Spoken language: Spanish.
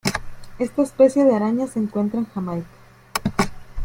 Esta especie de araña se encuentra en Jamaica.